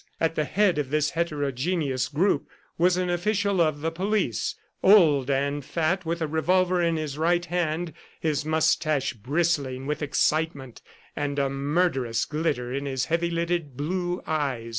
At the head of this heterogeneous troop was an official of the police, old and fat, with a revolver in his right hand, his moustache bristling with excitement, and a murderous glitter in his heavy lidded blue eyes.